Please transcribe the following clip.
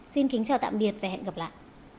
xin kính chào tạm biệt và hẹn gặp lại